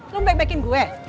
lo mau baik baikin gue